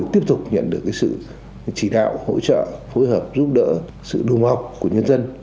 tiếp tục nhận được sự chỉ đạo hỗ trợ phối hợp giúp đỡ sự đùm học của nhân dân